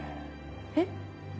えっ？